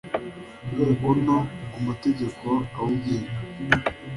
umukono ku mategeko awugenga